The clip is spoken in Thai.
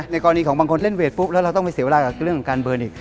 กรณีของบางคนเล่นเวทปุ๊บแล้วเราต้องไปเสียเวลากับเรื่องของการเบิร์นอีก